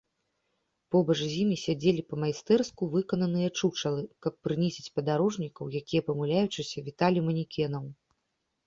Побач з імі сядзелі па-майстэрску выкананыя чучалы, каб прынізіць падарожнікаў, якія памыляючыся віталі манекенаў.